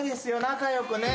仲良くね。